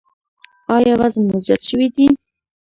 ایا وزن مو زیات شوی دی؟